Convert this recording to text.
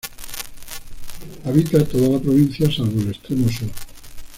Habita toda la provincia salvo el extremo sur.